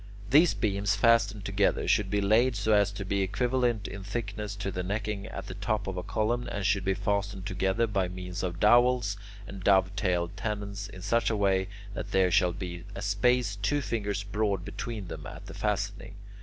These beams fastened together should be laid so as to be equivalent in thickness to the necking at the top of a column, and should be fastened together by means of dowels and dove tailed tenons in such a way that there shall be a space two fingers broad between them at the fastening.